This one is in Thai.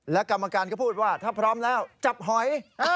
และกรรมการก็พูดว่าถ้าพร้อมแล้วจับหอย